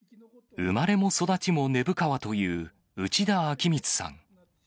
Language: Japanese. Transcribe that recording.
生まれも育ちも根府川という内田昭光さん。